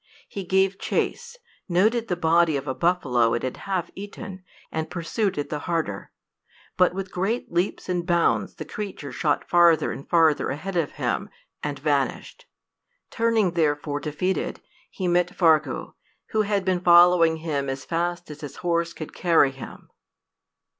He gave chase, noted the body of a buffalo it had half eaten, and pursued it the harder. But with great leaps and bounds the creature shot farther and farther ahead of him, and vanished. Turning, therefore, defeated, he met Fargu, who had been following him as fast as his horse could carry him.